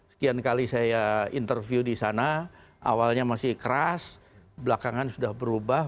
sekian kali saya interview di sana awalnya masih keras belakangan sudah berubah